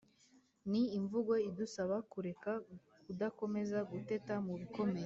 Ni imvugo idusaba kureka kudakomeza guteta mu bikomeye.